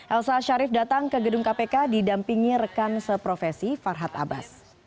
elsa sharif datang ke gedung kpk didampingi rekan seprofesi farhad abbas